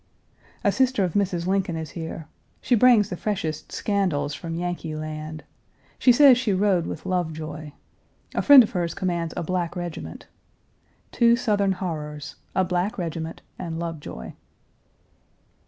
A sister of Mrs. Lincoln is here. She brings the freshest scandals from Yankeeland. She says she rode with Lovejoy. A friend of hers commands a black regiment. Two Southern horrors a black regiment and Lovejoy.